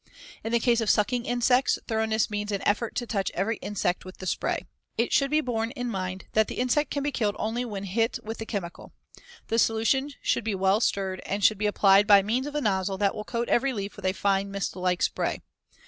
In the case of sucking insects, thoroughness means an effort to touch every insect with the spray. It should be borne in mind that the insect can be killed only when hit with the chemical. The solution should be well stirred, and should be applied by means of a nozzle that will coat every leaf with a fine, mist like spray.